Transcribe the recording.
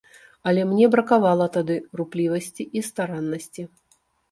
Але мне бракавала тады руплівасці і стараннасці.